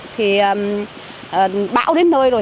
thì bão đến nơi rồi